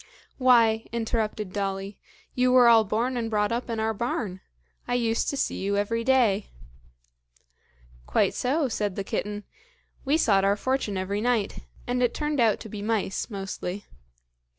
"Why," interrupted Dolly, "you were all born and brought up in our barn! I used to see you every day." "Quite so," said the kitten; "we sought our fortune every night, and it turned out to be mice, mostly.